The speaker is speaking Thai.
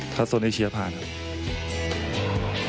ถ้าโซนเอเชียผ่านครับ